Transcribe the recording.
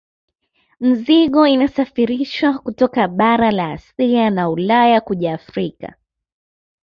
Mizigo inasafirishwa kutoka bara la Asia na Ulaya kuja Afrika